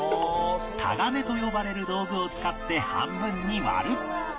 タガネと呼ばれる道具を使って半分に割る